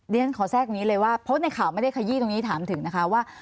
เรียนขอแทรกตรงนี้เลยว่าเพราะในข่าวไม่ได้ขยี้ตรงนี้ถามถึงนะคะว่า